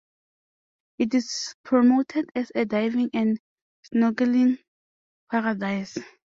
It is promoted as a "diving and snorkeling paradise".